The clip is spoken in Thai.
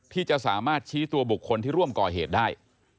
ที่จะสามารถชี้ตัวบุคคลที่ร่วมก่อเหตุได้